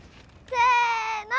せの。